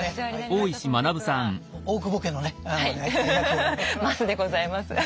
ますでございます。